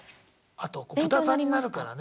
あとブタさんになるからね